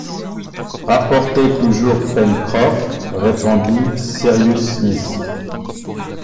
Rapportez toujours, Pencroff, » répondit Cyrus Smith.